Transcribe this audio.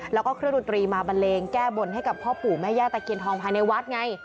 แล้วก็เครื่องดนตรีมาบันเลงแก้บนให้กับพ่อปู่แม่ย่าตะเคียนทองภายในวัดไง